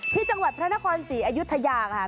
ที่จังหวัดพระนครศรีอยุธยาค่ะ